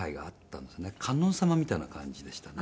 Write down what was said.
観音様みたいな感じでしたね。